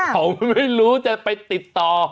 เขาไม่รู้จะไปติดต่อ